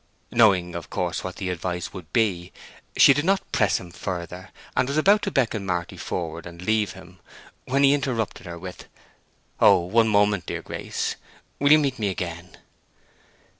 Knowing, of course, what the advice would be, she did not press him further, and was about to beckon Marty forward and leave him, when he interrupted her with, "Oh, one moment, dear Grace—you will meet me again?"